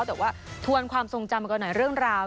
แต่ว่าทวนความทรงจำกันหน่อยเรื่องราว